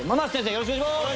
よろしくお願いします